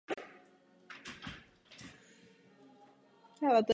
Z tohoto důvodu na vás spoléháme.